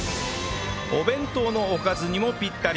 お弁当のおかずにもぴったり！